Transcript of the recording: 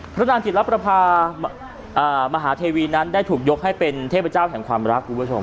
พระนานจิตรัพย์ประภาษมหาเทวีได้ถูกยกให้เป็นเทพเจ้าของความรัก